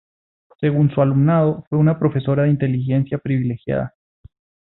Según su alumnado, fue una profesora de inteligencia privilegiada.